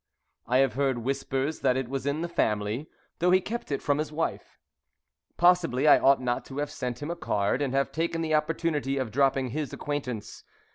I have heard whispers that it was in the family, though he kept it from his wife. Possibly I ought not to have sent him a card and have taken the opportunity of dropping his acquaintance.